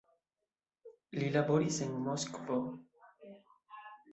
Li laboris en Moskvo.